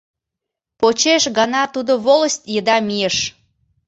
Почеш гана тудо волость еда мийыш.